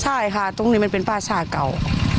ใช่ค่ะตรงนี้มันเป็นป้าชาเก่า